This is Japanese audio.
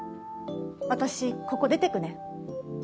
私ここ出ていくね。